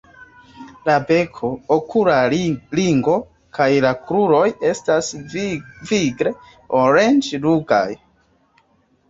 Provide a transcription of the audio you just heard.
La beko, okula ringo kaj la kruroj estas vigle oranĝ-ruĝaj.